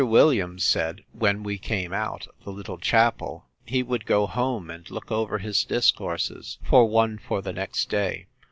Williams said, when we came out of the little chapel, He would go home, and look over his discourses, for one for the next day.